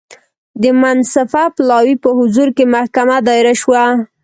د منصفه پلاوي په حضور کې محکمه دایره شوه.